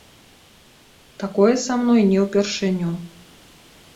Такое са мной не ўпершыню.